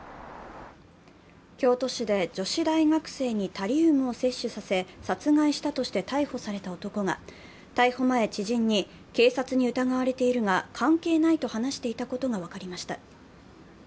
京都市で女子大学生にタリウムを摂取させ殺害したとして逮捕された男が逮捕前知人に警察に疑われているが関係ないと話していたことが分かりました。